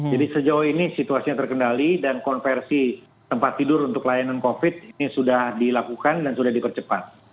jadi sejauh ini situasinya terkendali dan konversi tempat tidur untuk layanan covid ini sudah dilakukan dan sudah dipercepat